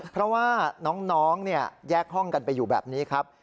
เพราะว่าน้องแยกห้องกันไปอยู่แบบนี้ครับ